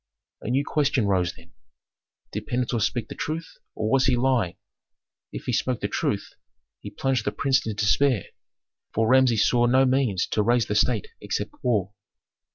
A new question rose then, did Pentuer speak the truth, or was he lying? If he spoke the truth, he plunged the prince in despair, for Rameses saw no means to raise the state except war.